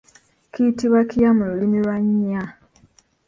Kiyitibwa kiya mu lulimi lwannya.